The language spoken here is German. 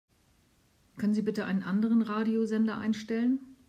Können Sie bitte einen anderen Radiosender einstellen?